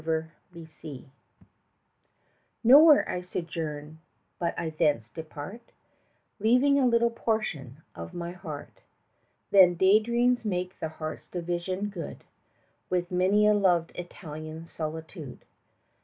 VIATOR Nowhere I sojourn but I thence depart, Leaving a little portion of my heart; Then day dreams make the heart's division good With many a loved Italian solitude.